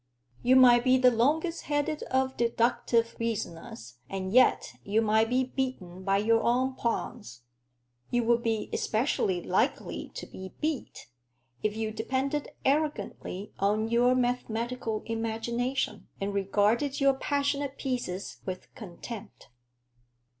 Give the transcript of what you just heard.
You might be the longest headed of deductive reasoners, and yet you might be beaten by your own pawns. You would be especially likely to be beat, if you depended arrogantly on your mathematical imagination, and regarded your passionate pieces with contempt.